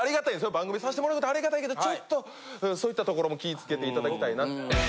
番組さしてもらうことありがたいけどちょっとそういったところも気つけていただきたいなと。